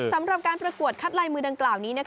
สำหรับการประกวดคัดลายมือดังกล่าวนี้